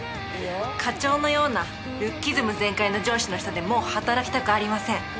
課長のようなルッキズム全開の上司の下でもう働きたくありません。